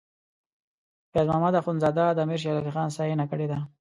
فیض محمد اخونزاده د امیر شیر علی خان ستاینه کړې ده.